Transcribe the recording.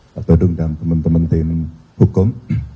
pak todung dan teman teman tim hukum